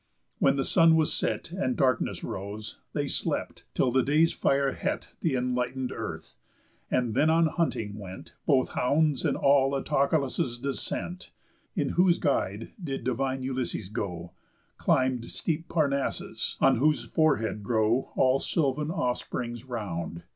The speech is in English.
When the sun was set, And darkness rose, they slept, till day's fire het Th' enlighten'd earth; and then on hunting went Both hounds and all Autolycus' descent. In whose guide did divine Ulysses go, Climb'd steep Parnassus, on whose forehead grow All sylvan offsprings round.